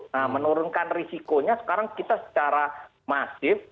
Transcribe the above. nah menurunkan risikonya sekarang kita secara masif